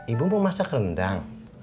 ibu mau masak rendang